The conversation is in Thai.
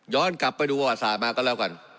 กลับไปดูประวัติศาสตร์มาก็แล้วกัน